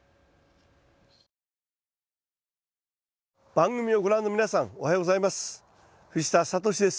番組をご覧の皆さんおはようございます。